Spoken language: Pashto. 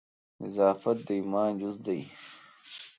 نظافت د ایمان جزء دی.